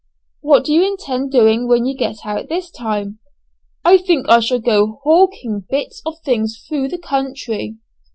"What do you intend doing when you get out this time?" "I think I shall go hawking bits of things through the country."